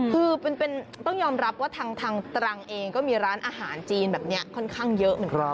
คือต้องยอมรับว่าทางตรังเองก็มีร้านอาหารจีนแบบนี้ค่อนข้างเยอะเหมือนกัน